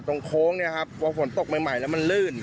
โค้งเนี่ยครับพอฝนตกใหม่แล้วมันลื่น